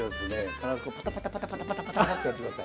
必ずこうパタパタパタパタパタパタってやって下さい。